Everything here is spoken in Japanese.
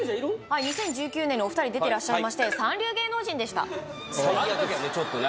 はい２０１９年にお二人出てらっしゃいまして三流芸能人でしたあの時はねちょっとね